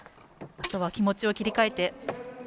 あとは気持ちを切り替えて。